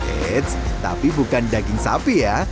eits tapi bukan daging sapi ya